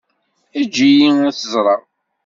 Eǧǧ-iyi ad tt-ẓreɣ.